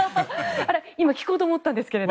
今、聞こうと思ったんですけど。